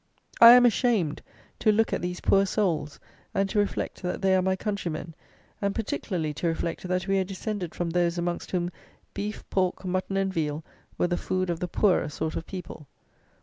I am ashamed to look at these poor souls, and to reflect that they are my countrymen; and particularly to reflect that we are descended from those amongst whom "beef, pork, mutton, and veal, were the food of the poorer sort of people."